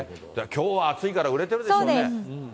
きょうは暑いから売れてるでしょうね。